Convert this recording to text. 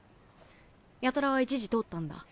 八虎は１次通ったんだ？